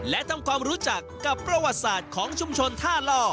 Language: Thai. และทำความรู้จักกับประวัติศาสตร์ของชุมชนท่าล่อ